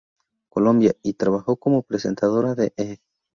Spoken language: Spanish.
Colombia" y trabajó como presentadora de "E!